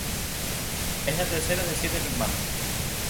Es la tercera de siete hermanos.